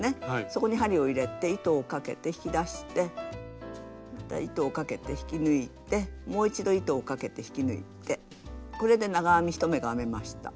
そこに針を入れて糸をかけて引き出してまた糸をかけて引き抜いてもう一度糸をかけて引き抜いてこれで長編み１目が編めました。